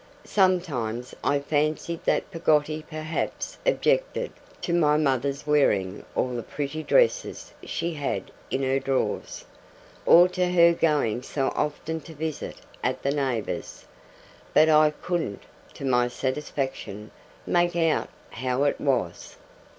Sometimes I fancied that Peggotty perhaps objected to my mother's wearing all the pretty dresses she had in her drawers, or to her going so often to visit at that neighbour's; but I couldn't, to my satisfaction, make out how it was.